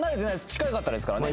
近かったですからね